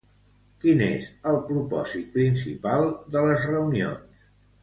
Quin és el propòsit principal de les reunions?